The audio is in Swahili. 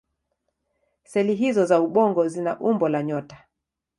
Seli hizO za ubongo zina umbo la nyota.